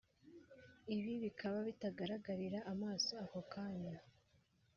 Ibi bikaba bitagaragarira amaso ako kanya